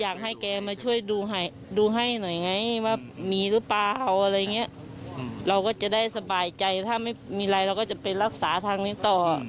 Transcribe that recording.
อยากให้เขามาดูให้หน่อยไงว่ามีหรือเปล่าเราก็จะได้สบายใจถ้ามีเล็กมายากจะไปรักษาทางนี้ต่อ